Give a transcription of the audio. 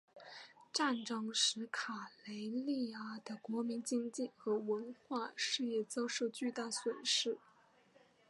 战争使卡累利阿的国民经济和文化事业遭受巨大损失。